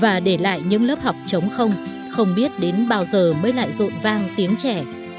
và để lại những lớp học chống không không biết đến bao giờ mới lại rộn vang tiếng trẻ